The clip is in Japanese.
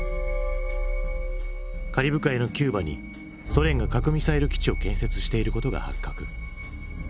カリブ海のキューバにソ連が核ミサイル基地を建設していることが発覚。